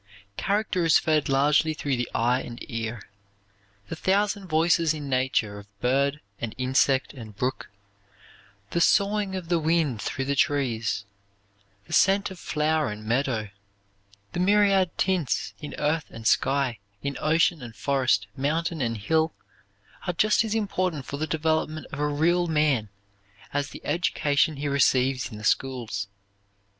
Character is fed largely through the eye and ear. The thousand voices in nature of bird and insect and brook, the soughing of the wind through the trees, the scent of flower and meadow, the myriad tints in earth and sky, in ocean and forest, mountain and hill, are just as important for the development of a real man as the education he receives in the schools.